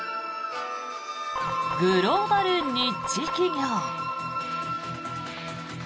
グローバルニッチ企業。